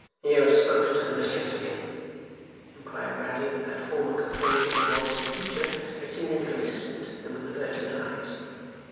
'You spoke to the mistress, did you?' inquired Bradley, with that former composure of voice and feature that seemed inconsistent, and with averted eyes.